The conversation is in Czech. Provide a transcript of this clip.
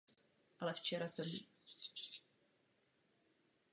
Strom od té doby tradičně pochází právě z polesí Masarykova lesa.